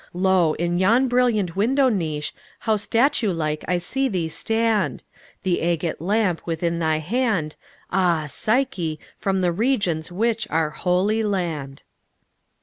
Lo! in yon brilliant window niche How statue like I see thee stand! The agate lamp within thy hand, Ah! Psyche, from the regions which Are Holy Land!